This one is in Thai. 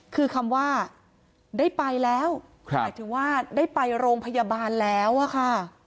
คือคำว่าได้ไปแล้วหมายถึงว่าได้ไปโรงพยาบาลแล้วอะค่ะ